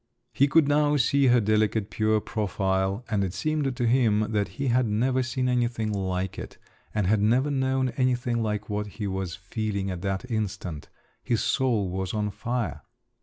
He could now see her delicate pure profile, and it seemed to him that he had never seen anything like it, and had never known anything like what he was feeling at that instant. His soul was on fire.